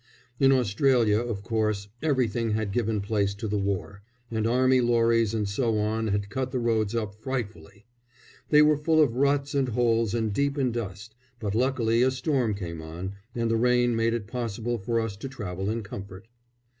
In Australia, of course, everything had given place to the war, and army lorries and so on had cut the roads up frightfully. They were full of ruts and holes and deep in dust; but luckily a storm came on, and the rain made it possible for us to travel in comfort.